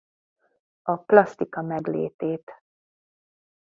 A plasztika meglétét.